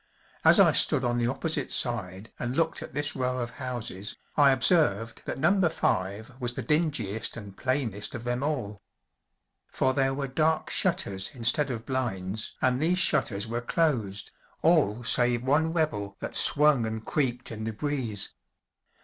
As I stood on the opposite side and looked at this row of houses, I observed that Number Five was the dingiest and plainest of them all. For there were dark shutters instead of blinds, and these shutters were closed, all save one rebel that swung and creaked in the breeze.